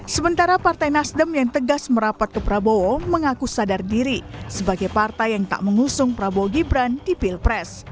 sementara partai nasdem yang tegas merapat ke prabowo mengaku sadar diri sebagai partai yang tak mengusung prabowo gibran di pilpres